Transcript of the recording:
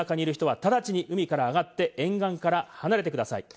海の中にいる人は直ちに海から上がって、沿岸から離れてください。